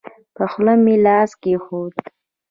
په خوله مې لاس کېښود.